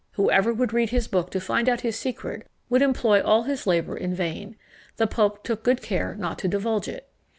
Whoever would read his book to find out his secret, would employ all his labour in vain; the pope took good care not to divulge it."